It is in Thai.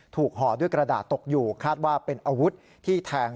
ห่อด้วยกระดาษตกอยู่คาดว่าเป็นอาวุธที่แทง